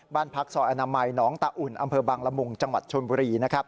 บ้านพักซอยอนามัยหนองตาอุ่นอำเภอบังละมุงจังหวัดชนบุรี